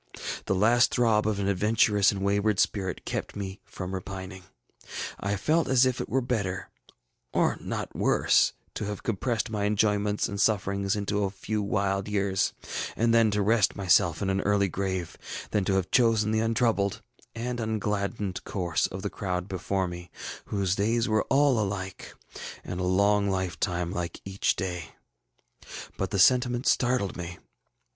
The last throb of an adventurous and wayward spirit kept me from repining. I felt as if it were better, or not worse, to have compressed my enjoyments and sufferings into a few wild years, and then to rest myself in an early grave, than to have chosen the untroubled and ungladdened course of the crowd before me, whose days were all alike, and a long lifetime like each day. But the sentiment startled me.